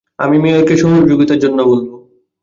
আমি মেয়রকে সহযোগিতার জন্য বলবো।